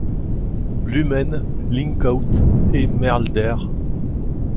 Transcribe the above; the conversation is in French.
Lummen, Linkhout et Meldert.